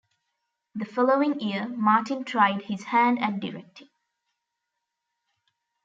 The following year, Martin tried his hand at directing.